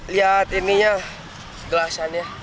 lihat ini ya gelasannya